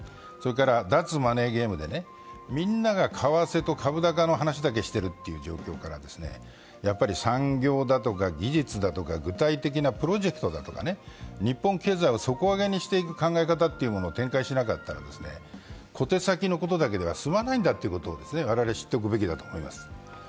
それから脱マネーゲームで、みんなが為替と株高の話ばかりしているというね、やっぱり産業だとか、技術だとか、具体的なプロジェクトだとか日本経済を底上げにしていく考え方を展開しなかったら小手先のことだけでは済まないんだということを我々は知っておくべきだと思います。